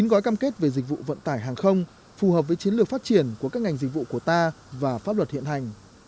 chín gói cam kết về dịch vụ vận tải hàng không phù hợp với chiến lược phát triển của các ngành dịch vụ của ta và pháp luật hiện hành